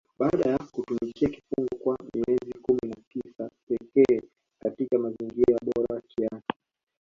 Baada ya kutumikia kifungo kwa miezi kumi na tisa pekee katika mazingira bora kiasi